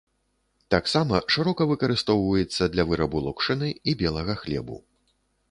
Таксама шырока выкарыстоўваецца для вырабу локшыны і белага хлебу.